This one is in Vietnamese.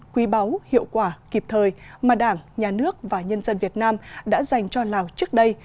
quý báu hiệu quả kịp thời mà đảng nhà nước và nhân dân việt nam đã dành cho lào trước đây